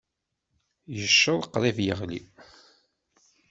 Yecceḍ qrib yeɣli.